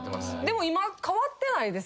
でも今変わってないですか？